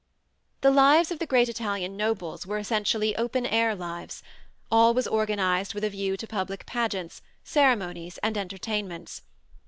The lives of the great Italian nobles were essentially open air lives: all was organized with a view to public pageants, ceremonies and entertainments.